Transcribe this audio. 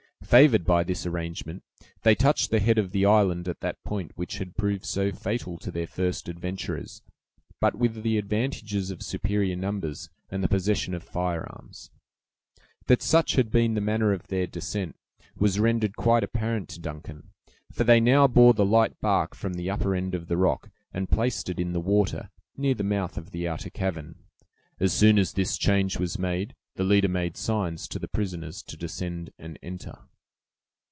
Favored by this arrangement, they touched the head of the island at that point which had proved so fatal to their first adventurers, but with the advantages of superior numbers, and the possession of firearms. That such had been the manner of their descent was rendered quite apparent to Duncan; for they now bore the light bark from the upper end of the rock, and placed it in the water, near the mouth of the outer cavern. As soon as this change was made, the leader made signs to the prisoners to descend and enter.